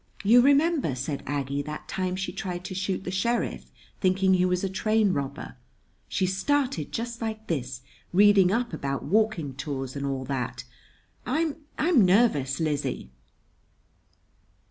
] "You remember," said Aggie, "that time she tried to shoot the sheriff, thinking he was a train robber? She started just like this reading up about walking tours, and all that. I I'm nervous, Lizzie."